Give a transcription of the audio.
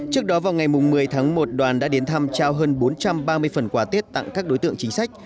trước đó vào ngày một mươi tháng một đoàn đã đến thăm trao hơn bốn trăm ba mươi phần quà tết tặng các đối tượng chính sách